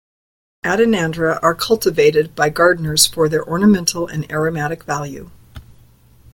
"Adenandra" are cultivated by gardeners for their ornamental and aromatic value.